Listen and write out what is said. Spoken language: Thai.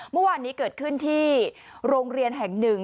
เมื่อวานนี้เกิดขึ้นที่โรงเรียนแห่งหนึ่ง